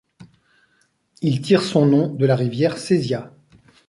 Il tire son nom de la rivière Sesia.